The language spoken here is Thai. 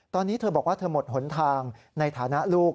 ตอนนี้เธอบอกว่าเธอหมดหนทางในฐานะลูก